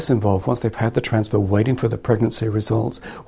setelah mereka mengambil kembar menunggu hasil kembar